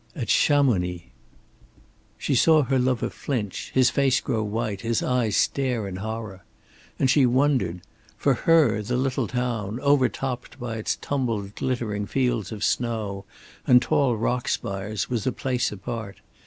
"At Chamonix!" She saw her lover flinch, his face grow white, his eyes stare in horror. And she wondered. For her the little town, overtopped by its tumbled glittering fields of snow and tall rock spires was a place apart.